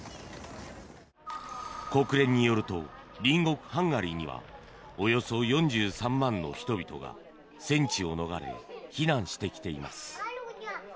国連によると隣国ハンガリーにはおよそ４３万の人々が戦地を逃れ避難してきています。